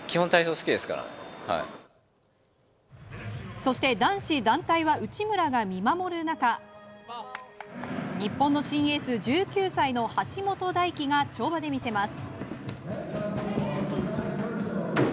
そして男子団体は内村が見守る中日本の新エース１９歳の橋本大輝が跳馬で見せます。